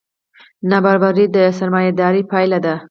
نابرابري د سرمایهدارۍ پایله ده.